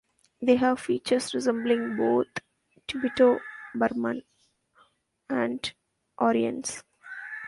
They have features resembling both Tibeto Burman and Aryans.